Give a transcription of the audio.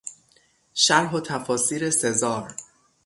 شرح و تفاسیر سزار